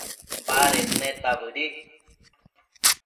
baded neta bëdic